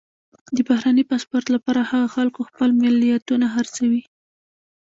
د بهرني پاسپورټ لپاره هغو خلکو خپلې ملیتونه خرڅوي.